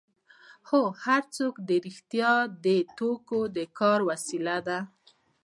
هو ځواک په رښتیا د توکو د کار وسیله ده